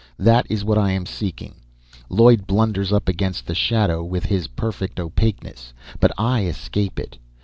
"That is what I am seeking. Lloyd blunders up against the shadow with his perfect opaqueness. But I escape it.